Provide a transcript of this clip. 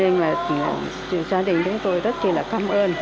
nên là gia đình chúng tôi rất là cảm ơn